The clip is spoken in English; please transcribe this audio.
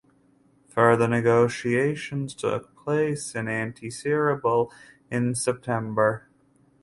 Further negotiations took place in Antsirabe in September.